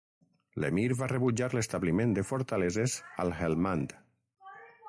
L'emir va rebutjar l'establiment de fortaleses al Helmand.